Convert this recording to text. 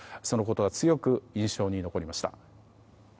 そのことは強く印象に残りました。